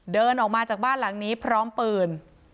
เดินออกมาจากบ้านหลังนี้พร้อมปืน